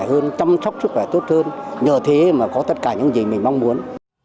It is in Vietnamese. hơn chăm sóc sức khỏe tốt hơn nhờ thế mà có tất cả những gì mình mong muốn